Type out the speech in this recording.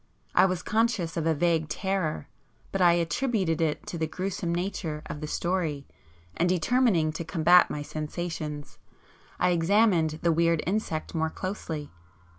I was conscious of a vague terror, but I attributed it to the gruesome nature of the story, and, determining to combat my sensations, I examined the weird insect more closely.